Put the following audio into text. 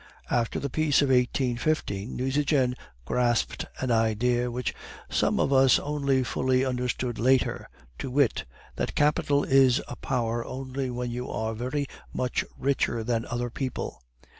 After the peace of 1815, Nucingen grasped an idea which some of us only fully understood later, to wit, that capital is a power only when you are very much richer than other people.